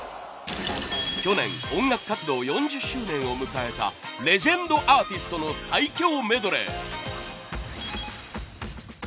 去年音楽活動４０周年を迎えたレジェンドアーティストの最強メドレー。